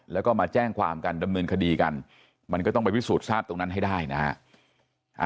แล้วก็มาแจ้งความกันดำเนินคดีกันมันก็ต้องไปพิสูจน์ทราบตรงนั้นให้ได้นะฮะ